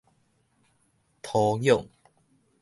塗壤